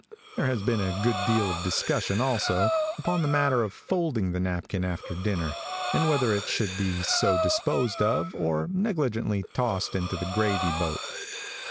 There has been a good deal of discussion, also, upon the matter of folding the napkin after dinner, and whether it should be so disposed of, or negligently tossed into the gravy boat.